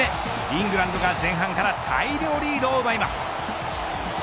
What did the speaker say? イングランドが前半から大量リードを奪います。